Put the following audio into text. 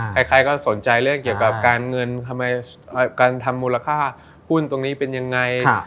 ใครก็สนใจเรื่องเกี่ยวกับการทำมูลค่าหุ้นตรงนี้เป็นยังไง